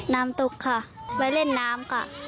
น้ำตกค่ะไว้เล่นน้ำค่ะ